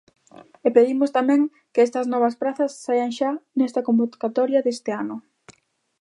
E pedimos tamén que estas novas prazas saian xa nesta convocatoria deste ano.